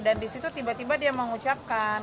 dan di situ tiba tiba dia mengucapkan